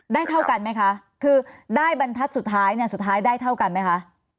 เท่ากันไหมคะคือได้บรรทัศน์สุดท้ายเนี่ยสุดท้ายได้เท่ากันไหมคะ